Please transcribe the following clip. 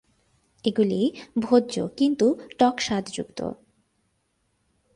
এগুলি ভোজ্য কিন্তু টক স্বাদযুক্ত।